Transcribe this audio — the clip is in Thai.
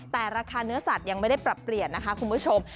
แต่ราคาเนื้อสัตว์ยังไม่ได้ปรับเปลี่ยนนะคะคุณผู้ชม